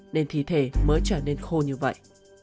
nên thi thể mới trở nên khô như vậy